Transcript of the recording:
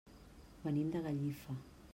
Venim de Gallifa.